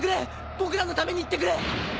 僕らのために行ってくれ！